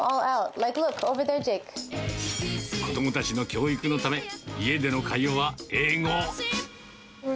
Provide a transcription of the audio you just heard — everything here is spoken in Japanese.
子どもたちの教育のため、家での会話は英語。